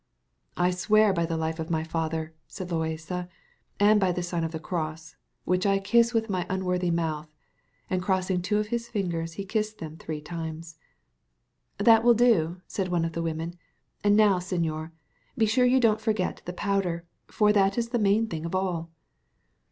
"I swear by the life of my father," said Loaysa, "and by this sign of the cross, which I kiss with my unworthy mouth;" and crossing two of his fingers, he kissed them three times. "That will do," said one of the women; "and now, señor, be sure you don't forget the powder, for that is the main thing of all."